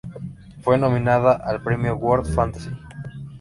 Fue nominada al Premio World Fantasy.